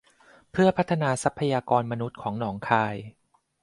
เพื่อพัฒนาทรัพยากรมนุษย์ของหนองคาย